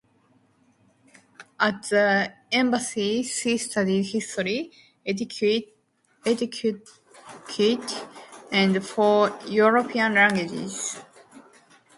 At the embassy she studied history, etiquette, and four European languages.